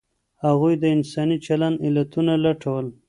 هغوی د انساني چلند علتونه لټول.